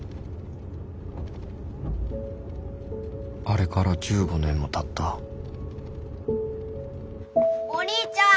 あれから１５年もたったお兄ちゃん。